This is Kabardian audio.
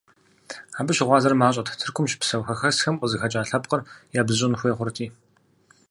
Абы щыгъуазэр мащӀэт, Тыркум щыпсэу хэхэсхэм къызыхэкӀа лъэпкъыр ябзыщӀын хуей хъурти.